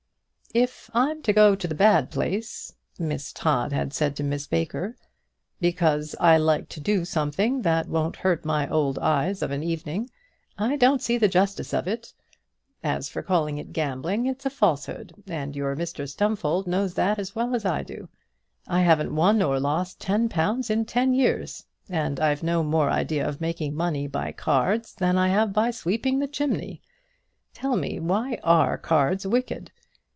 "If I'm to go to the bad place," Miss Todd had said to Miss Baker, "because I like to do something that won't hurt my old eyes of an evening, I don't see the justice of it. As for calling it gambling, it's a falsehood, and your Mr Stumfold knows that as well as I do. I haven't won or lost ten pounds in ten years, and I've no more idea of making money by cards than I have by sweeping the chimney. Tell me why are cards wicked?